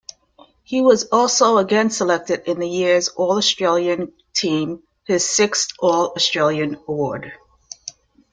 He was also again selected in the year's All-Australian Team, his sixth All-Australian award.